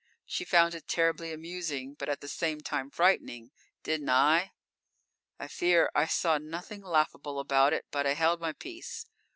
She found it terribly amusing, but at the same time frightening: Didn't I? I fear I saw nothing laughable about it, but I held my peace.